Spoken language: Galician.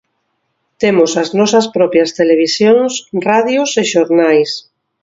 Temos as nosas propias televisións, radios e xornais.